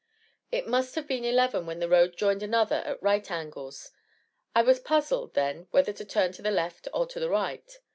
It must have been eleven when the road joined another at right angles; I was puzzled then whether to turn to the left or to the right.